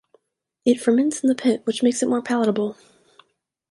It ferments in the pit, which makes it more palatable.